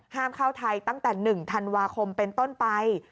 ห้ามเข้าไทยตั้งแต่๑ธันวาคมเป็นต้นไป